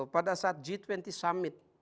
pada saat g dua puluh summit